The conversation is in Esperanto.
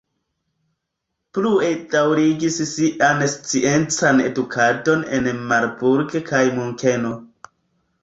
Plue daŭrigis sian sciencan edukadon en Marburg kaj Munkeno.